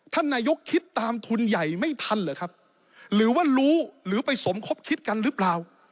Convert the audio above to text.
ท่านนายกคิดตามทุนใหญ่ไม่ทันเหรอครับหรือว่ารู้หรือไปสมคบคิดกันหรือเปล่า